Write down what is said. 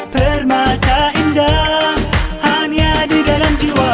permata indah hanya di dalam jiwa